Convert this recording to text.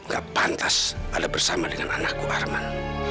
gak pantas ada bersama dengan anakku arman